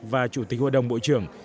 và chủ tịch hội đồng bộ trưởng